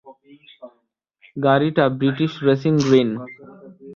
গাড়িটা British racing green.